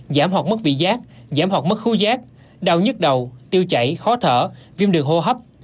giảm hoạt mất vị giác giảm hoạt mất khu giác đau nhứt đầu tiêu chảy khó thở viêm đường hô hấp